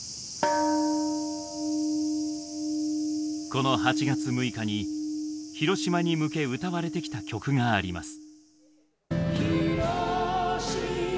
この８月６日に広島に向け歌われてきた曲があります。